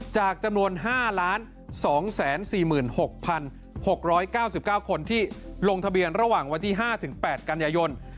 จำนวน๕๒๔๖๖๙๙คนที่ลงทะเบียนระหว่างวันที่๕๘กันยายน